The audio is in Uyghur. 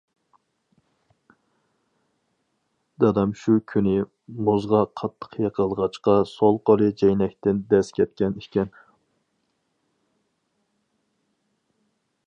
دادام شۇ كۈنى مۇزغا قاتتىق يىقىلغاچقا سول قولى جەينەكتىن دەز كەتكەن ئىكەن.